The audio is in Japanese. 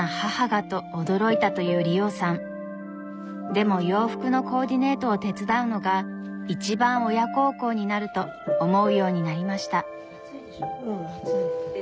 でも洋服のコーディネートを手伝うのが一番親孝行になると思うようになりました。